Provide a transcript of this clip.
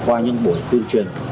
qua những buổi tuyên truyền